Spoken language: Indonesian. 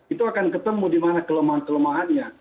itu akan ketemu di mana kelemahan kelemahannya